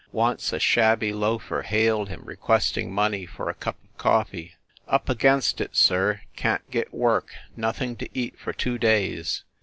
Once a shabby loafer hailed him, requesting money for a cup of coffee. ... "Up against it, sir. Can t get work nothing to eat for two days."